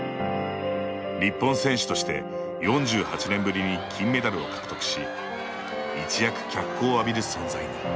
日本選手として４８年ぶりに金メダルを獲得し一躍、脚光を浴びる存在に。